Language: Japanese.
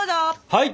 はい！